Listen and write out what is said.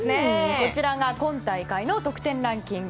こちらが今大会の得点ランキング。